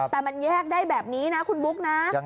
แต่มันแยกได้แบบนี้นะคุณบุ๊คนะ